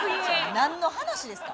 何の話ですか？